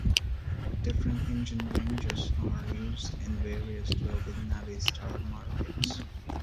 Different engine ranges are used in various global navistar markets.